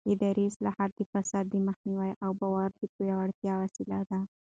اداري اصلاحات د فساد د مخنیوي او باور د پیاوړتیا وسیله دي